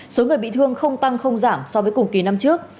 số người bị thương không tăng không giảm so với cùng kỳ năm trước